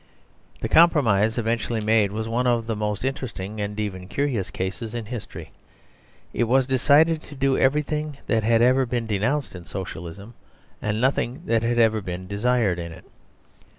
The compromise eventually made was one of the most interesting and even curious cases in history. It was decided to do everything that had ever been denounced in Socialism, and nothing that had ever been desired in it.